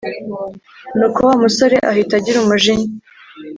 nuko wa musore ahita agira umujinya